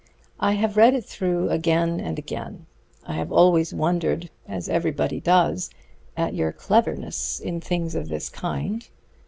"I have read it through again and again. I have always wondered, as everybody does, at your cleverness in things of this kind."